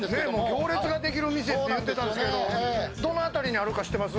行列ができる店って言ってましたけどどの辺りにあるか知ってます？